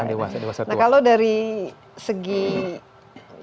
nah kalau dari segi yang paling sering diperhatikan